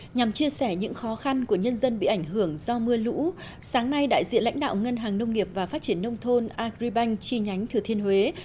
nhằm chia sẻ những khó khăn của nhân dân bị ảnh hưởng do mưa lũ sáng nay đại diện lãnh đạo ngân hàng nông nghiệp và phát triển nông thôn agribank chi nhánh thừa thiên huế